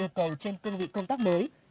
yêu cầu trên công việc công tác mới